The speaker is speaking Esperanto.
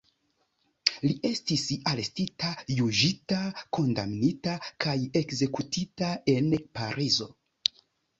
Li estis arestita, juĝita, kondamnita kaj ekzekutita en Parizo.